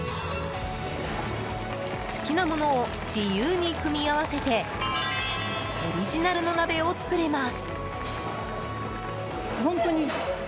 好きなものを自由に組み合わせてオリジナルの鍋を作れます。